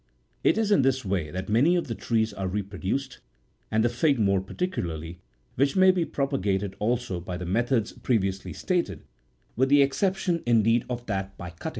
It is in this way that many of the trees are reproduced, and the fig more particularly ; which may be propagated also by all the methods previously stated, with the exception, indeed, of that by cuttings.